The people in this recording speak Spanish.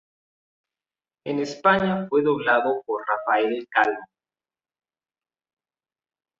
En España fue doblado por Rafael Calvo.